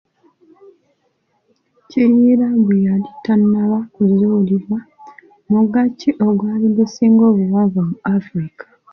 "Kiyira bwe yali tannaba kuzuulibwa, mugga ki ogwali gusinga obuwanvu mu Afrika?"